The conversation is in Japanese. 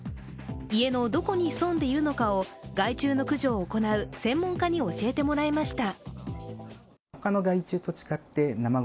家のどこに潜んでいるのかを害虫の駆除を行う専門家に教えてもらいました。